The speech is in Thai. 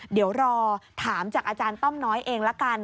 เดี๋ยวรอถามจากอาจารย์ต้อมน้อยเองละกัน